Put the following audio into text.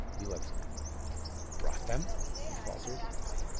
"You have brought them?" he faltered.